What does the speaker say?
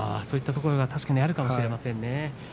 そういったところがあるかもしれません。